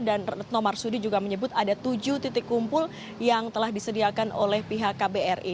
dan retno marsudi juga menyebut ada tujuh titik kumpul yang telah disediakan oleh pihak kbri